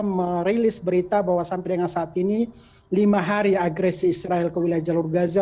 merilis berita bahwa sampai dengan saat ini lima hari agresi israel ke wilayah jalur gaza